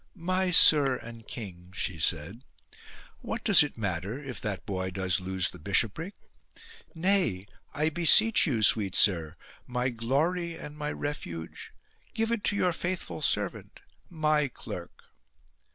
" My sire and king," she said, " what does it matter if that boy does lose the bishopric ? Nay, I beseech you, sweet sire, my glory and my refuge, give it to your faithful servant, my clerk."